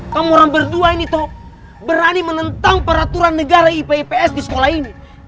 kamu orang berdua ini tuh berani menentang peraturan negara ipps di sekolah ini